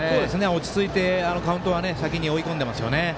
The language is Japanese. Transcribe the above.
落ち着いてカウントは先に追い込んでますよね。